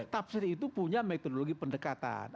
tafsir itu punya metodologi pendekatan